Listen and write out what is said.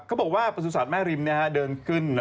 เขาบอกว่าประสุทธิ์สัตว์แม่ริมเนี่ยเดินขึ้น